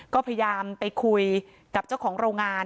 ก็พยายามไปคุยกับเจ้าของโรงงาน